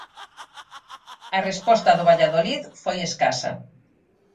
A resposta do Valladolid foi escasa.